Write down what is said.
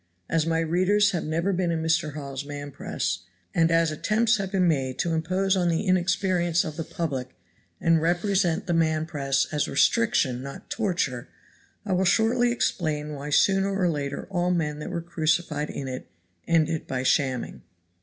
As my readers have never been in Mr. Hawes's man press, and as attempts have been made to impose on the inexperience of the public and represent the man press as restriction not torture, I will shortly explain why sooner or later all the men that were crucified in it ended by shamming.